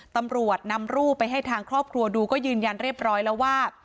ตำรวจนำรูปไปให้ทางครอบครัวดูก็ยืนยันเรียบร้อยแล้วว่า